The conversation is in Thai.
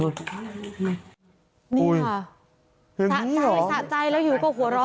สะใจแล้วอยู่กับหัวร้อ